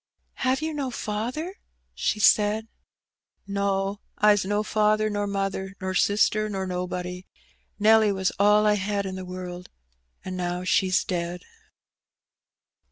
"Have you no father?" she said. "No: Fs no father, nor mother, nor sister, nor nobody. ITelly was all I had in the world, an' now she's dead."